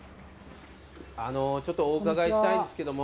あのうちょっとお伺いしたいんですけども。